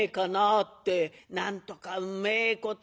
なんとかうめえこと」。